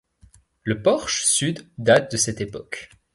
Le porche sud date de cette époque.